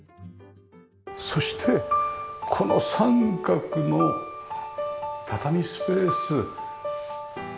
そしてこの三角の畳スペース。